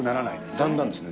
だんだんですね。